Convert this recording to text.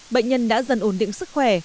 bệnh nhân đã dần ổn định sức khỏe